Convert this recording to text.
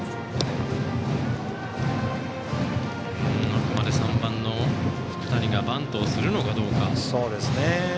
あくまで３番の福谷がバントをするのかどうか。